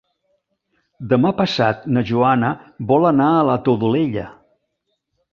Demà passat na Joana vol anar a la Todolella.